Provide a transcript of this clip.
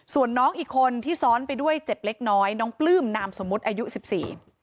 ส่วนน้องอีกคนที่ซ้อนไปด้วยเจ็บเล็กน้อยน้องปลื้มนามสมมุติอายุสิบสี่